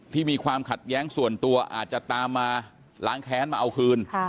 มีความขัดแย้งส่วนตัวอาจจะตามมาล้างแค้นมาเอาคืน